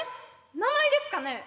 名前ですかね？